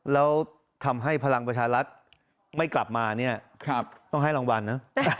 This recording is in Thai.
แล้วทำให้พลังประชารัฐไม่กลับมาเนี่ยต้องให้รางวัลนะ